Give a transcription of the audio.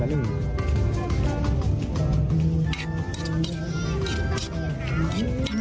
อุ้ย